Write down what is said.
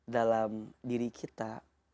dalam diri kita